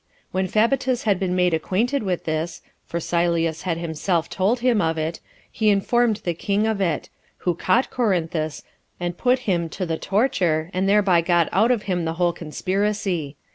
When Fabatus had been made acquainted with this, for Sylleus had himself told him of it, he informed the king of it; who caught Corinthus, and put him to the torture, and thereby got out of him the whole conspiracy.